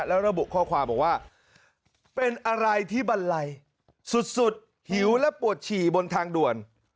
แล้วระบุข้อความบอกว่าเป็นอะไรที่บันไลสุดหิวและปวดฉี่บนทางด่วน